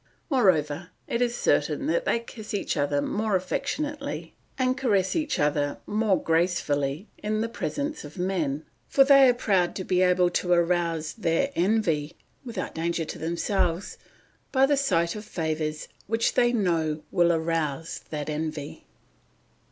Moreover, it is certain that they kiss each other more affectionately and caress each other more gracefully in the presence of men, for they are proud to be able to arouse their envy without danger to themselves by the sight of favours which they know will arouse that envy.